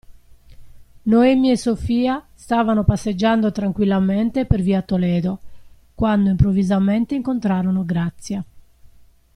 Noemi e Sofia stavano passeggiando tranquillamente per via Toledo, quando improvvisamente incontrarono Grazia.